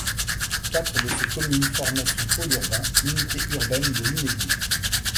Quatre de ces communes formaient son pôle urbain, l'unité urbaine de Lunéville.